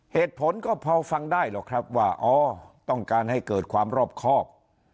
เหตุผลก็พอฟังได้หรอกครับว่าอ๋อต้องการให้เกิดความรอบครอบ